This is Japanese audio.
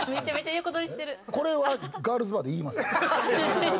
これはガールズバーで言います。